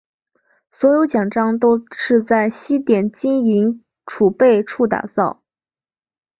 所有奖章都是在西点金银储备处打造。